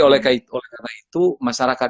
oleh karena itu masyarakat